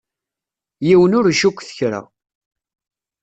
Yiwen ur icukket kra.